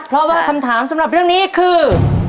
เพราะว่าคำถามสำหรับเรื่องนี้คือ